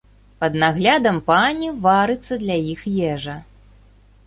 Пад наглядам пані варыцца для іх ежа.